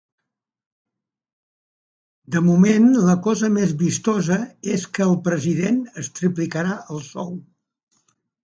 De moment, la cosa més vistosa és que el president es triplicarà el sou.